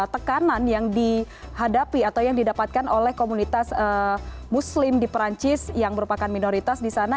tekanan yang dihadapi atau yang didapatkan oleh komunitas muslim di perancis yang merupakan minoritas di sana